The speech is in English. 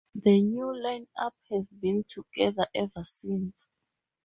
The new line-up has been together ever since.